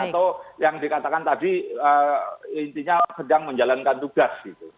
atau yang dikatakan tadi intinya sedang menjalankan tugas gitu